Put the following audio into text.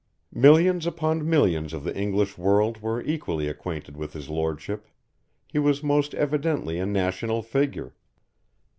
Millions upon millions of the English world were equally acquainted with his lordship, he was most evidently a National figure.